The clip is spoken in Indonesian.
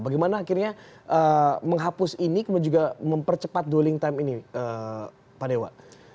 bagaimana akhirnya menghapus ini kemudian juga mempercepat dwelling time ini pak dewa